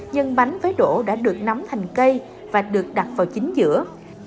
nhưng bánh với đổ đã được nắm thành cây và được đặt vào chính giữa